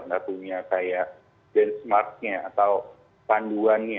nggak punya kayak benchmarknya atau panduannya